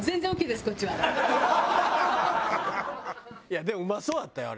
いやでもうまそうだったよあれ。